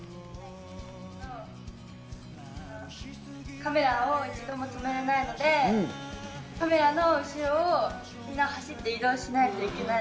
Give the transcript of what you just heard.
カメラを一度も止めれないのでカメラの後ろをみんな走って移動しないといけないので。